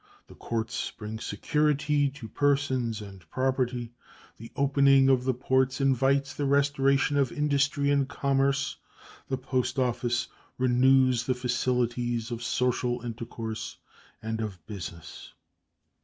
The courts bring security to persons and property; the opening of the ports invites the restoration of industry and commerce; the post office renews the facilities of social intercourse and of business.